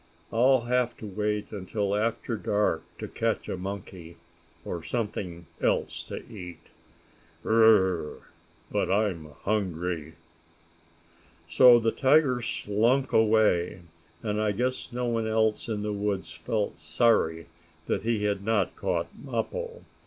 I'll have to wait until after dark to catch a monkey, or something else to eat. Bur r r r r r! But I'm hungry!" So the tiger slunk away, and I guess no one else in the woods felt sorry that he had not caught Mappo.